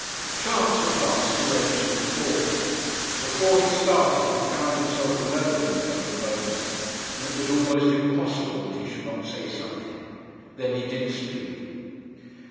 Chance at last arranged it for him. Before he started he found himself alone with her for a moment, and it was almost impossible that he should not say something. Then he did speak.